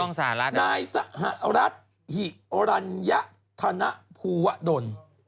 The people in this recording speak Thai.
นายสหรัฐหิรันธนภัวร์ดน